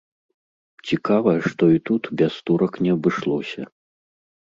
Цікава, што і тут без турак не абышлося.